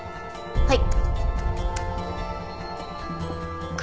はい。